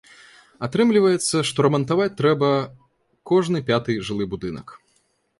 Атрымліваецца, што рамантаваць трэба кожны пяты жылы будынак.